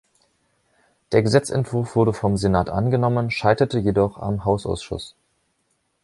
Der Gesetzesentwurf wurde vom Senat angenommen, scheiterte jedoch am Hausausschuss.